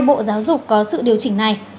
bộ giáo dục có sự điều chỉnh này